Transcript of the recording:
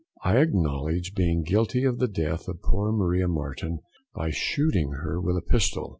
"I acknowledge being guilty of the death of poor Maria Marten, by shooting her with a pistol.